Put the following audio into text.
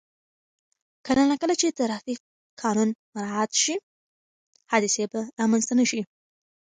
کله نا کله چې ترافیک قانون مراعت شي، حادثې به رامنځته نه شي.